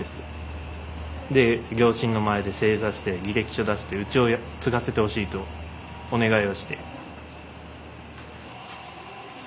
で両親の前で正座して履歴書出してうちを継がせてほしいとお願いをして。